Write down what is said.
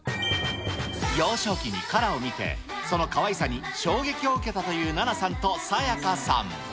幼少期にＫＡＲＡを見て、そのかわいさに衝撃を受けたというナナさんとさやかさん。